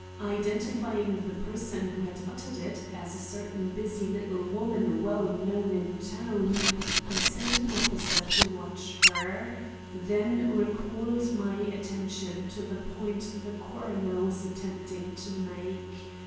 Identifying the person who had uttered it as a certain busy little woman well known in town, I sent an officer to watch her; then recalled my attention to the point the coroner was attempting to make.